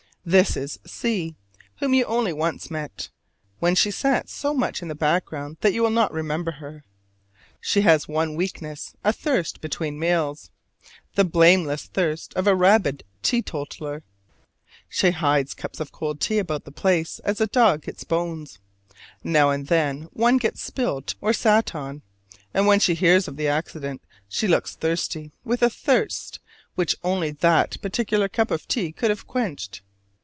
This is C , whom you only once met, when she sat so much in the background that you will not remember her. She has one weakness, a thirst between meals the blameless thirst of a rabid teetotaler. She hides cups of cold tea about the place, as a dog its bones: now and then one gets spilled or sat on, and when she hears of the accident, she looks thirsty, with a thirst which only that particular cup of tea could have quenched.